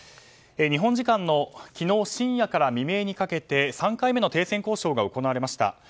日本時間の昨日深夜から未明にかけて３回目の停戦交渉が行われました。